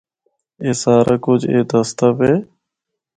اے سارا کجھ اے دسدا وے۔